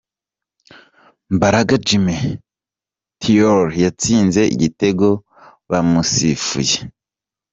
Mbaraga Jimmy Traore yatsinze igitego bamusifuye.